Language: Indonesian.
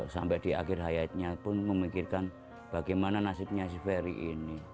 sampai di akhir hayatnya pun memikirkan bagaimana nasibnya si ferry ini